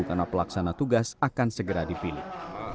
karena pelaksana tugas akan segera dipilih